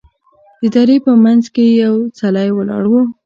د درې په منځ کې یې یو څلی ولاړ و.